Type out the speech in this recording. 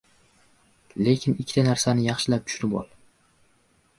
Lekin ikkita narsani yaxshilab tushunib ol.